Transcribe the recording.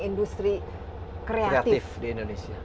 industri kreatif di indonesia